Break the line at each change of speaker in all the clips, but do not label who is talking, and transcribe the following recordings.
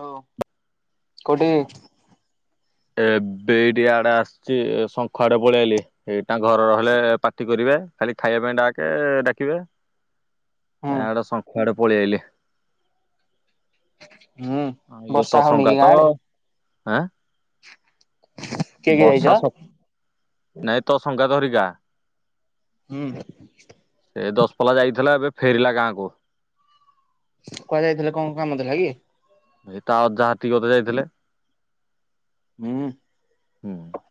Hello କୋଉଠି?
ଏବେ ଟିକିଏ ଆଡେ ଆସିଛି ଶଙ୍ଖ ଆଡେ ପଳେଇ ଆସିଲି ଏଇଠି ଘରେ ରହିଲେ ପାଟି କରିବେ ଖାଲି ଖାଇବା ପାଇଁ ଡାକେ ଡାକିବେ
ହୁଁ
ତ ଆଡ଼େ ଶଙ୍ଖ ଆଡ଼େ ପଳେଇ ଆସିଲି।
ହୁଁ
ହଁ
ବର୍ଷା
ଇଏତ
ହଉନି କି ଗାଁ
ସଙ୍ଗାତ
ଆଡେ
ହାଁ?
କିଏ କିଏ ଯାଇଛ?
ବର୍ଷା ସ ନାଇଁ ତ ସଙ୍ଗେ ଧରିକ ଆ।
ହୁଁ।
ଏ ଦଶପଲା ଯାଇଥିଲା ଏବେ ଫେରିଲା ଗାଁକୁ।
କୁଆଡ଼େ ଯାଇଥିଲା? କଣ କାମ ଥିଲା କି?
ଏ ତା ଅଜା ଘର କୁ ବୋଧେ ଯାଇଥିଲେ।
ହଁ।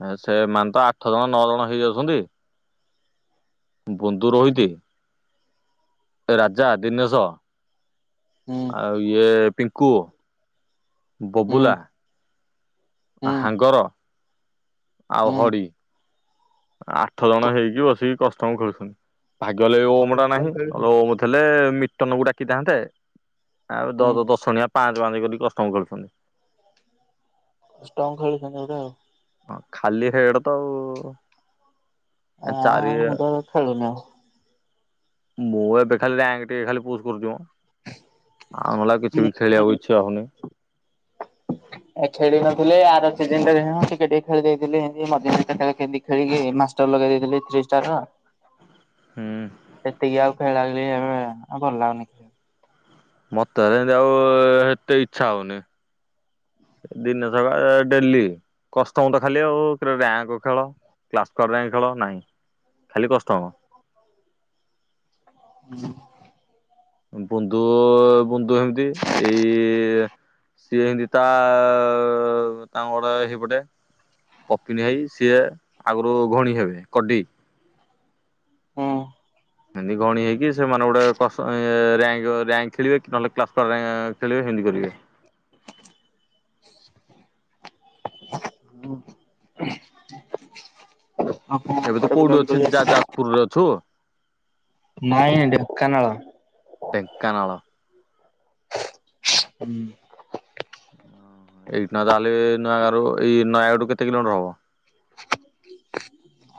ହୁଁ ସେମାନେ ତ ଆଠ ଜଣ ନଅ ଜଣ ହେଇ ଯାଉଛନ୍ତି ବନ୍ଧୁ
ହୁଁ
ରହିତି। ରାଜା ଦିନେଶ
ହୁଁ
ଆଉ ଇଏ ପିଙ୍କୁ ବବୁଲା ପି
ହୁଁ
ହାଙ୍ଗର ଆଉ
ହୁଁ।
ହରି । ଆଠ ଜଣ ହେଇକି ବସିକି କଷ୍ଟମ ଖେଳୁଛନ୍ତି । ଭାଗ୍ୟଲେ
ଆଉ
ଓମ ଟା
କଷ୍ଟମ
ନାହିଁ
ଖେଳୁଛୁ
ନହେଲେ ଓମ ଥିଲେ ମିଟନକୁ ଡାକିଥାନ୍ତେ ଆଉ
ହୁଁ
ଦଶ ଦଶଜଣିଆ ପାଞ୍ଚ ପାଞ୍ଚ କରି କଷ୍ଟମ ଖେଳୁଛନ୍ତି।
ଷ୍ଟଙ୍ଗ ଖେଳୁଛନ୍ତି ବୋଧେ ଆଉ।
ହଁ ଖାଲି ହେଡ୍ ତ ଆଉ।
ଆଁ
ଚାରି
ମୁଁ ତ ଏବେ ଖେଳୁନି ଆଉ।
ମୁଁ ଏବେ ଖାଲି ରାଙ୍କ୍ ଟିକେ ଖାଲି ପୁଶ୍ କରୁଛି ମ। ଆଉ ମଲା କିଛି ବି ଖେଳିିଆକୁ ଇଚ୍ଛା ହଉନି।
କହିଲି ଆର ସିଜନରେ ଟିକେ ଟିକେ ଖେଳି ଦେଇଥିଲି ଏନ୍ତି ମଝିରେ [unintelligible] ଖେଳିକି ମାଷ୍ଟର ଲଗେଇ ଦେଇଥିଲି ଯ। [unintelligible]
ହୁଁ।
ଖେଳାଳି ଆମେ ଆଉ ଭଲ ଲାଗୁନି।
ମତେ [unintelligible] ଆଉ ଏତେ ଇଚ୍ଛା ହଉନି। ଦିନେ [unintelligible] ଡେଲି କଷ୍ଟମ ତ ଖାଲି ଆଉ ରାଙ୍କ ଖେଳ। କ୍ଲାସ [unintelligible] ଖେଳ ନାହିଁ, ଖାଲି କଷ୍ଟମ।
ହୁଁ।
ବୁନ୍ଦୁ ବୁନ୍ଦୁ ଏମତି ଏଇ ସିଏ ଏମିତି ତା ତାଙ୍କର ହେଇପଟେ। ପପିନି ଭାଇ ସିଏ ଆଗୁରୁ [unintelligible] ଭାଇ କଡି।
ହୁଁ
ଏମିତି ଗଣି ହେଇକି ସେମାନେ ଗୋଟେ କସ ଅ ରିଆଙ୍କ୍ ରିଆଙ୍କ ଖେଳିବେ, କି ନହେଲେ କ୍ଳସ୍ ର ଖେଳିବେ ହେମ ମତି କରିବେ।
[inaudible] ଆପଣ
ଏବେ ତୁ
କୁଆଡେ
କୋଉଠି
ବୁଲାବୁଲି
ଅଛୁ
କରି ଯାଇଥିଲେ
ଯାଜପୁରରେ
[unintelligible]
ଅଛୁ
ନାଇଁ ଢେଙ୍କାନାଳ।
ଢେଙ୍କାନାଳ।
ଉଁ।
ଓହୋ ଏଇଠି ନ ତାହେଲେ ନୁଆଗାଁରୁ ଏଇ ନୟାଗଡରୁ କେତେ କିଲୋମିଟର ହବ? [inaudible]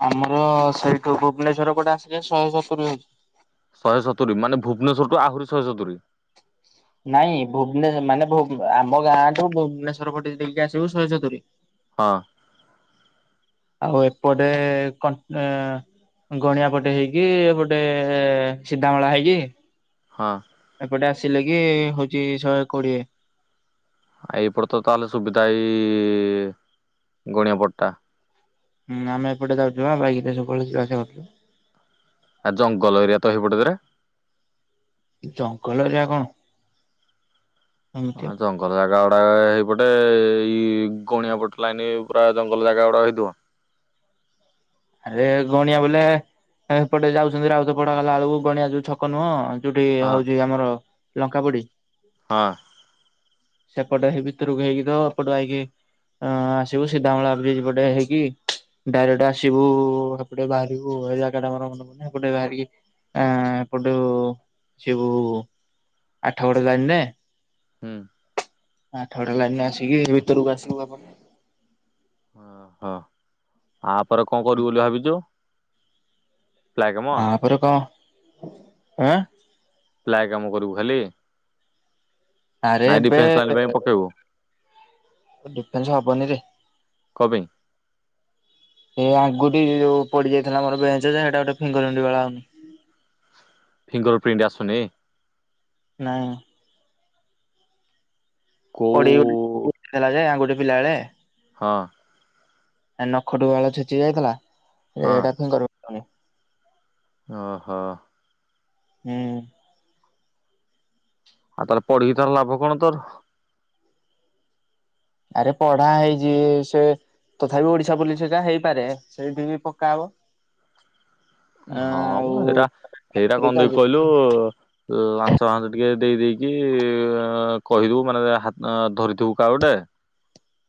ଆମର ସେଇଠୁ ଭୁବନେଶ୍ଵର ପଟେ ଆସିଲେ ଶହେ ସତୁରି ହଉଚି।
ଶହେ ସତୁୁରୀ, ମାନେ ଭୁବନେଶ୍ଵରଠୁ ଆହୁରି ଶହେ ସତୁରୀ।
ନାଇଁ ଭୁବନେଶ ମାନେ ଆମ ଗାଁଠୁ ଭୁବନେଶ୍ଵର ପଟେ ଦେଇକି ଆସିବୁ ଶହେ ସତୁରୀ।
ହଁ।
ଆଉ ଏପଟେ [unintelligible] ଏ ଗଣିଆ ପଟେ ହେଇକି ଏପଟେ ସିଧାମଳା ହେଇକି
ହଁ
ଏପଟେ ଆସିଲେ କି ହଉଛି ଶହେ କୋଡିଏ।
ଏଇପଟ ତ ତାହେଲେ ସୁବିଧା ଏଇ ଗଣିଆ ପଟା।
ହୁଁ ଆମେ ଏପଟେ ଯାଉଛୁ ବା ବାଇକ ଧରିକି ସବୁବେଳେ ଯିବା ଆସିବା କରୁଚୁ।
ଆ ଜଙ୍ଗଲ ଏରିଆ ତ ହେଇ ପଟକରେ।
ଜଙ୍ଗଲ ଏରିଆ କଣ। ଏମିତି
ହଁ
ଆଉ
ଜଙ୍ଗଲ ଜାଗା ବା ହେଇପଟେ ଏଇ ଗଣିଆ ପଟ ଲାଇନ ପୁରା ଜଙ୍ଗଲ ଜାଗା ଗୁଡା ହେଇଥିବ। [inaudible]
ଆରେ ଗଣିଆ ବୋଲେ ଏପଟେ ଯାଉଛନ୍ତି, ରାଉତ ପଡା ଗଲ ବେଳକୁ ଗଣିଆ ଯୋଉ ଛକ ନୁହଁ। ଯୋଉଠି
ହଁ
ହଉଛି ଆମର ଲଙ୍କାପୋଡି।
ହଁ।
ସେପଟ ସେଇ ଭିତରକୁ ହେଇକି ତ ଏପଟ ଆଇକି ଅ ଆସିବୁ ସିଧାମଲା ବ୍ରିଜ୍ ପଟେ ହେଇକି ଡାଇରେକ୍ଟ ଆ ସିବୁ ସେପଟେ ବାହାରିବୁ ଏ ଜାଗାଟା ମୋର ମନେ ପଡୁନି ସେପଟେ ବାହାରିକି ଆ ଏପଟୁ ସିବୁ ଆଠଗଡ ଲାଇନରେ।
ହୁଁ।
ଆଠଗଡ ଲାଇନରେ ଆସିକି ଏ ଭିତୁରୁକୁ ଆସିବୁ [unintelligible]
ଓହୋ ଆପରେ କଣ କରିବୁ ବୋଲି ଭାବିଛୁ। ପ୍ଲାଏ କାମ
ଆପରେ କ ଆଁ
ପ୍ଲାଏ କାମ କରିବୁ ଖାଲି।
ଆରେ
ନାଇଁ
ଏବେ
ଡିଫେନ୍ସ ଲାଇନ ପାଇଁ ପକେଇବୁ
ଡିଫେନ୍ସ ହବନି ରେ।
କପାଇଁ?
ଏ ଆଙ୍ଗୁଠି ଯୋଉ ପୋଡି ଯାଇଥିଲା ମୋର ବେଞ୍ଚ ଯେ, ସେଟା ଗୋଟେ ଫିଙ୍ଗରପ୍ରିଣ୍ଟ ଭାଳ
ବନି।
ନାହିଁ। [unintelligible]
କୋଉ
ପିଲା ବେଳେ।
ହଁ।
ନଖଟୁ ବାଳ ଛେଚି ହେଇ ଯାଇଥିଲା ଏଇଟା [unintelligible]
ଓ ହୋ।
ହୁଁ।
ଆଉ ତାହେଲେ ପଢିକି ତାହାଲେ ଲାଭ କଣ ତୋର।
ଆରେ ପଢା ହେଇଛି ସେ ତଥାପି ଓଡିଶା ପୋଲିସଟା ହେଇପାରେ ସେଇଠି ବି ପକ୍କା ହବ।
[inaudible] ହଁ ଏଇଟା ଏଇଟା କଣ ଦେଖୀ
ଚାଲିଛି
କହିଲୁ ଲାଞ୍ଚ ଫାଞ୍ଚ ଟିକେ ଦେଇ ଦେଇେଇକି କି କହିଦବୁ ମାନେ ହାତ ଧରିଥିବୁ କାହାର ଗୋଟେ।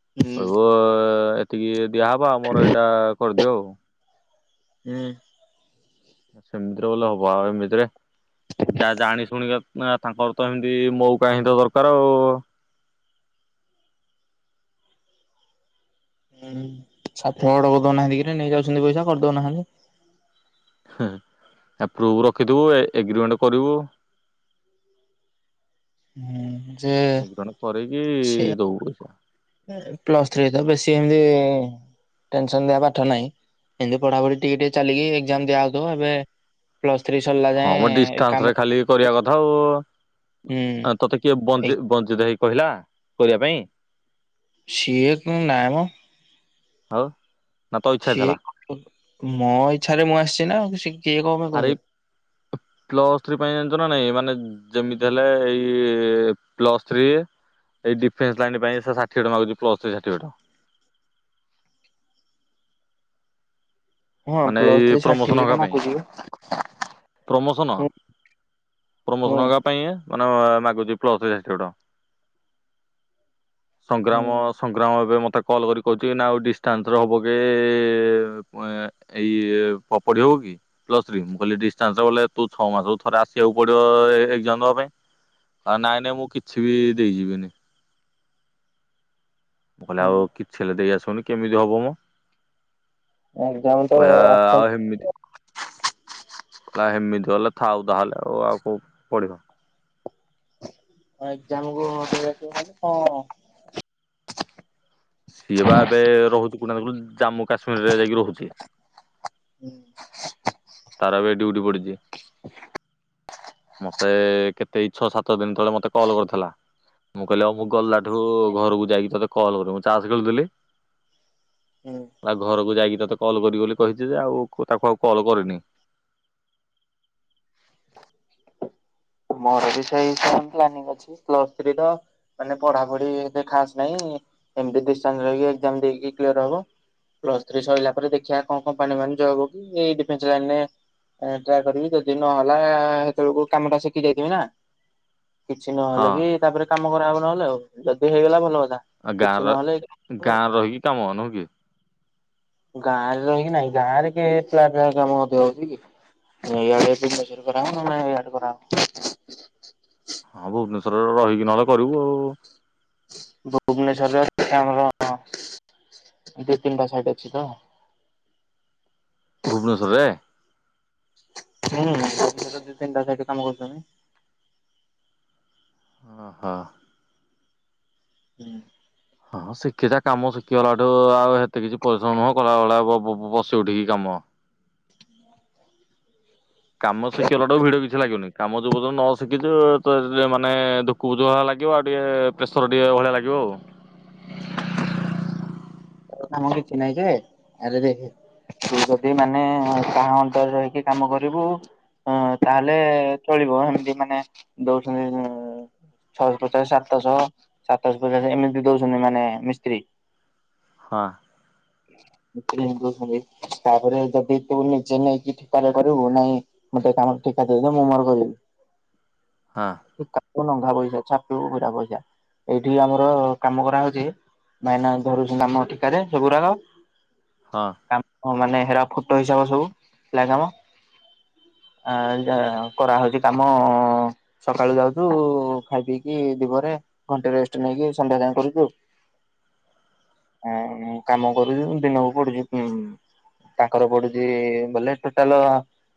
ହୁଁ
କହିବ ଏତିକି ଦିଆହବା ମୋର ଏଇଟା କରିଦିଅ ଆଉ
ହୁଁ।
ସେମିଦ୍ରେ ଗଲେ ହବ ଏମିତିରେ ଯାହା ଜାଣି ଶୁଣିକି ନା ତାଙ୍କର ତ ଏମତି ମଉକା ହିଁ ତ ଦରକାର ଆଉ।
[unintelligible] ଦଉନାହାନ୍ତି କିରେ ନେଇ ଯାଉଛନ୍ତି ପଇସା କରିଦଉନାହାନ୍ତି।
ଆପ୍ରୁଭ ରଖିଥିବୁ ଏଗ୍ରିମେଣ୍ଟ କରିବୁ।
ହୁଁ। ଯେ
ଏଗ୍ରୀମେଣ୍ଟ କରିକି
ସେ
ଦବୁ ପଇସା।
ପ୍ଲସ୍ ଥ୍ରୀ ତ ବେଶି ଏମତି ଟେନସନ ଦିଆ ପାଠ ନାହିଁ ଏମତି ପଢାପଢି ଟିକେ ଟିକେ ଚାଲିକି ଏକ୍ଜାମ ଦିଆ ହଉଥିବ ଏବେ ପ୍ଲସ୍ ଥ୍ରୀ ସରିଲା
ହଁ
ଯାଏଁ
ମ
ଏଇ
ଡିଷ୍ଟାନ୍ସ
କାମ
ରେ ଖାଲି କରିବା କଥା
ହୁଁ
ଆଉ। ତୋତେ କିଏ
ଏ
ବଞ୍ଜି ବଞ୍ଚିଦେଇ କହିଲା କରିବା ପାଇଁ।
ସିଏ ତ ନାଇ ମ।
ଆ
ସିଏ ମୋ ଇଚ୍ଛାରେ ମୁଁ ଆସିଛି ନା ଆଉ କିଏ କଣ ପାଇଁ
ଆରେ
କହିବେ
ପ୍ଲସ୍ ଥ୍ରୀ ପାଇଁ ଜାଣିଛ ନା ନାଇଁ ମାନ ଯେମିତି ହେଲା ଏଇ ପ୍ଲସ ଥ୍ରୀ ଏଇ ଡିଫେନ୍ସ ଲାଇନ୍ ପାଇଁ ସାର୍ଟିଫିକେଟ ମାଗୁଛି ପ୍ଲସ ଥ୍ରୀ ସାର୍ଟିଫିକେଟ। [inaudible]
ହଁ
ମାନେ
ପ୍ଲସ୍
ଏଇ
ଥ୍ରୀ
ପ୍ରମୋସନ
ସାର୍ଟିଫିକେଟ
ହବା ପାଇଁ
ମାଗୁଛି ବା।
ପ୍ରମୋସନ।
ହୁଁ ହୁଁ
ପ୍ରମୋସନ ହବା ପାଇଁ ମାନେ ମାଗୁଛି ପ୍ଲସ ଥ୍ରି ସାର୍ଟିଫିକେଟ।
ହୁଁ
ସଂଗ୍ରାମ ସଂଗ୍ରାମ ଏବେ ମତେ ତ କଲ୍ କରିକି କହୁଛି ନା ଆଉ ଡିଷ୍ଟାନ୍ସର ହେବ କି ଏଇ ପ ପଢ଼ି ହବ କି ପ୍ଲସ୍ ଥ୍ରି ମୁଁ କହିଲି [unintelligible] ଗଲେ ତୁ ଛଅ ମାସ କୁ ଥରେ ଆସିବାକୁ ପଡିବ। ତ ଏକଜାମ୍ ଦବା ପାଇଁ ଆ ନାଇଁ ନାଇଁ ମୁଁ କିଛି ବି ଦେଇଯିବିନି। ମୁଁ କହିଲେ
ହୁଁ
ଆଉ କିଛି ହେଲେ ଦେଇ ଆଶିବନି କେମିତି ହବ ମ?
ଏକ୍ଜାମ ତ
କହିଲା
ଆବସେଣ୍ଟ
ଆଉ ହେମିତି କହିଲା ହେମିତି ଗଲେ ଥାଉ ତାହାଲେ ଆଉ କୋଉ ପଢିବ
ଏକ୍ଜାମ ବେଳକୁ [unintelligible]
ସିଏ ବା ଏବେ ରହୁଛି [unintelligible] ଜାମ୍ମୁ କାଶ୍ମୀରରେ ଯାଇକି ରହୁଛି। ତାର ଏବେ ମୋତେ କେତେ ଏଇ ଛଅ ସାତ ଦିନ ତଳେ ମୋତେ କଲ୍ କରିଥିଲା। ମୁଁ କହିଲି ଆଉ ମୁଁ ଗଲା ଠୁ ଘରକୁ ଯାଇକି ତୋତେ କଲ୍ କର। ମୁଁ ଚାସ ଖେଳୁଥିଲି
ହୁଁ
ତା ଘରକୁ ଯାଇକି ତୋତେ କଲ୍ କରିବ ବୋଲି କହିଚି ଯେ ଆଉ କ-ତାକୁ ଆଉ କଲ୍ କରିନି।
ମୋର ବି ସେଇ ସେମ୍ ପ୍ଲାନିଂ ଅଛି। ପ୍ଲସ୍ ଥ୍ରୀ ର ମାନେ ପଢାପଢି ଏତେ ଖାସ୍ ନାହିଁ। ଏମତି [unintelligible] କି ଏକ୍ଜାମ ଦେଇକି କ୍ଲିୟର୍ ହବ। ପ୍ଲସ୍ ଥ୍ରୀ ସଇଲା ପରେ ଦେଖିବା କଣ କମ୍ପାନୀ ମାନେ ଜବ୍ କି ଏଇ ଡିଫେନ୍ସ ଲାଇନ୍ ରେ ଏଟା କରିବି ଯଦି ନହେଲା ସେତେବେଳକୁ କାମଟା ଶି କି ଯାଇଥିମି ନା। କିଛି
ହଁ।
ନହେଲେ କି ତାପରେ କାମ କରା ହବ ନହେଲେ ଆଉ। ଯଦି ହେଇଗଲା ଭଲ କଥା।
ଆଉ ଗାଁ
କିଛି
ର
ନହେଲେ ଆଉ
ଗାଁ ରହିକି କାମ ନୁହଁକି?
ଗାଁରେ ରହିକି ନାହିଁ। ଗାଁରେ କେ ପ୍ଲା ପ୍ଲାନ୍ କାମ ମଧ୍ୟ ହଉଚି କି? ଏଇ ଆଡେ [unintelligible] କରାହବ। ନହେଲେ ନାହିଁ ଇଆଡେ କରାହବ।
ହଁ ଭୁବନେଶ୍ଵରରେ ରହିକି ନହେଲେ କରିବୁ ଆଉ।
ଭୁବନେଶ୍ୱରରେ ଅଛି ଆମର ଦି ତିନଟା ସାାଇଟ୍ ଅଛି ତ
ଭୁବନେଶ୍ୱରରେ?
ହୁଁ, ଦି, ତିନଟା ସାଇଟ୍ ରେ କାମ କରୁଚନି।
ଓ ହୋ।
ହୁଁ।
ତୁ ଆଉ ହେତେ କିଛି ପରିଶ୍ରମ ନୁହଁ କଳାବେଳେ ବ-ବୁ-ବସିି ଉଠିକି କାମ।
ହଁ
କାମ ଶିକି ଗଲାଠୁ ଭିଡ କିଛି ଲାଗିବନି। କାମ ଯୋଉ ପ ତୁ ନ ଶିକିଛୁ ତ ଯେ ମାନେ ଦୁକୁଧୁଆ ଲାଗିବ ଆଉ ଟିକେ ପ୍ରେସର୍ ଟିକେ ଭଳିଆ ଲାଗିବ ଆଉ।
କାମ କିଛି ନାହିଁ ଯେ ହେଲେ ବି ହି ତୁ ଯଦି ମାନେ କାହା ଅଣ୍ଡରେ ରହିକି କାମ କରିବୁ ହଁ ତାହେଲେ ଚଳିବ ହେମିତି ମାନେ ଦଉଛନ୍ତି ଯେ ଛଅଶହ ପଚାଶ, ସାତଶହ, ସାତଶହ ପଚାଶ ଏମିତି ଦଉଛନ୍ତି ମାନେ ମିସ୍ତ୍ରୀ।
ହଁ।
[unintelligible] ଛନ୍ତି ତାପରେ ଯଦି ତୁ ନିଜେ ନେଇକି ଠିକାରେ କରିବୁ ନାଇଁ ମୋତେ ଏ କାମ ଠିକା ଦେଇଦେ ମୁଁ ମୋର କରିବି।
ହଁ।
ଓ ନଘା ପଇସା ଛାଟିବୁ ପୁରା ପଇସା। ଏଇଠି ଆମର କାମ କରାହଉଛି ଭାଇନା ଧରୁଛୁ କାମ ଠିକାରେ ସବୁ ଗୁୁଡାକ।
ହଁ।
ହଁ ମାନେ ହେରା ଫୁଟ ହିସାବ ସବୁ ପ୍ଲା କାମ।
ହ
ଆ, ଯୋ କରାହଉଚି କାମ ସକାଳୁ ଯାଉଛୁ ଖାଇ ପିଇକି ଦିପହରେ ଘଣ୍ଟେ ରେଷ୍ଟ ନେଇକି ସନ୍ଧ୍ୟା ଯାଏ କରୁଚୁ। ହଁ ମୁଁ କାମ କରୁଚୁ ଦିନକୁ ପଡୁଚି ଉଁ, ତାଙ୍କର ପଡୁଚି ବଲେ ଟୋଟାଲ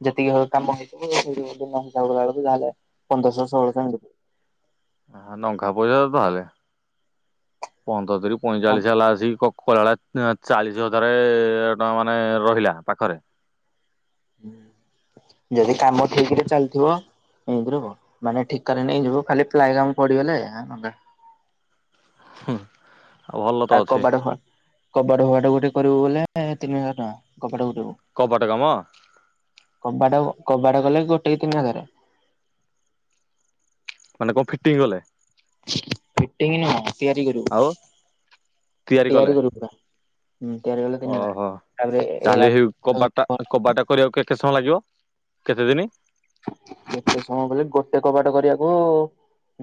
ଯେତିକି ହ-କାମ ହେଇଥିବ ସେଇଠୁ ଦିନ ହିସାବ କଲାବେଳ [unintelligible] ଲେ ପନ୍ଦରଶ ଷୋଳଶ ଏମତି।
ହ ଆହା ନଘା ପଇସା ତାହେଲେ। ପନ୍ଦତିରି ପଇଁଚାଳିଶ ହେଲା ଆସିକି କ କଳଳା ଅଁ ଚାଳିଶ ହଜାରେ ଟ ମାନେ ରହିଲା ପାଖରେ।
ଯଦି କାମ ଠିକ ରେ ଚାଲିଥିବ [unintelligible] ମାନେ ଠିକାରେ ନେଇଯିବୁ ଖାଲି ପ୍ଲାଏ କାମ ପଡିଗଲେ ଆଉ ନହେଲେ
ହୁଁ।
ଆଉ କବାଟ ଫ- କବାଟ ଫବାଟ ଗୋଟେ କରିବୁ ବୋଲେ ତିନି ହଜାର ଟଙ୍କା। କବାଟ ଗୋ
କବାଟ କାମ
କମ୍ବାଟ [unintelligible] କବାଟ କଲେ, ଗୋଟେ କି ତିନି ହଜାର
ମାନେ କଣ ଫିଟିଙ୍ଗ ଗଲେ ।
ଫିଟିଙ୍ଗି ନୁ ତିଆରି କରିବୁ,
ଆଉ
ତିଆରି କରିବୁ ପୁରା। ହୁଁ ତିଆରି କଲେ ତିନି ହଜାର
ଓହୋ,
ତାପରେ ଏରା
ତାହେଲେ ହେଇ କବାଟା, କବାଟା କରିବାକୁ କେତେ ସମୟ ଲାଗିବ? କେତେ ଦିନ?
କେତେ ସମୟ ବ ଗୋଟେ କବାଟ କରିବାକୁ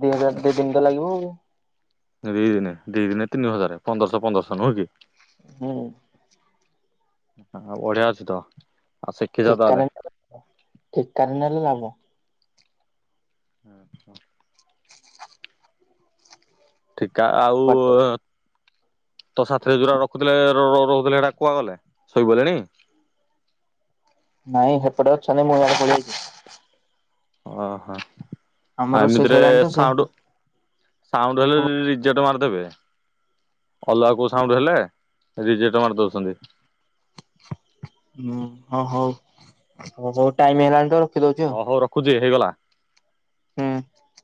ଦୁଇ ହଜାର, ଦି ଦିନ ତ ଲାଗିବ ଆ
ଦି ଦିନେ, ଦି ଦିନେ ତିନି ହଜାର, ପନ୍ଦରଶହ, ପନ୍ଦରଶହ ନୁହଁ କି?
ହୁଁ ।
ଓଡଆଛି ତ [unintelligible]
ଠିକା,
ତାହେଲେ
ଠିକା ରେ ନେଲେ ଲାଭ ।
ଆଛା । ଠିକା ଆଉ ତୋ ସାଥିରେ ଯୋରା ରଖୁଥିଲେ, ରହୁଥିଲେ, ସେଗୁରା କୁଆଗଲେ ଶୋଇଗଲେଣି । [inaudible]
ନାଇଁ ସେପଟେ ଅଛନ୍ତି, ମୁଁ ୟାଡେ ପଳେଇ ଆଇଛି।
ଓ ହୋ ଆଉ
ରୋଷେଇ
ଏମିତିରେ
ସଇଲାଣି ତ ସେ
ସାଉଣ୍ଡ, ସାଉଣ୍ଡ ହେଲେ
ହଁ
ରିଜେଟ ମାରିଦେବେ। ଅଲଗା କୋଉ ସାଉଣ୍ଡ ହେଲେ, ରିଜେଟ ମାରି ଦଉଛନ୍ତି ।
ହୁଁ ହଁ ହଉ ହଉ ହଉ ଟାଇମ ହେଲାଣି ତ ରଖିଦଉଚି ଆଉ
ହ ହଉ ରଖୁଛି ହେଇଗଲା ।
ହୁଁ ।